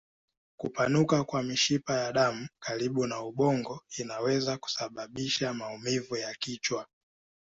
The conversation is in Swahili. Kupanuka kwa mishipa ya damu karibu na ubongo inaweza kusababisha maumivu ya kichwa.